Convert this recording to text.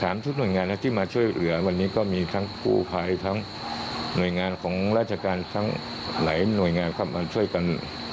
ทุกหน่วยงานนะที่มาช่วยเหลือวันนี้ก็มีทั้งกู้ภัยทั้งหน่วยงานของราชการทั้งหลายหน่วยงานเข้ามาช่วยกัน